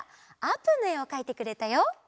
あーぷんのえをかいてくれたよ。